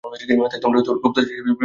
তাই, তোমরা গুপ্তচর হিসাবে বিবেচিত হবে।